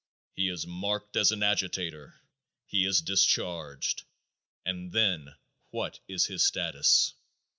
He is marked as an agitator, he is discharged, and then what is his status?